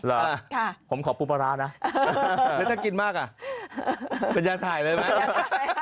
หรอค่ะผมขอปูปราร้านะแล้วถ้ากินมากอ่ะเป็นยานถ่ายเลยไหมยานถ่ายค่ะ